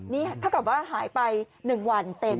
นี่ถ้าหากว่าหายไป๑วันเต็ม